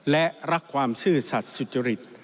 และรักความซื่อสัตว์สุจริต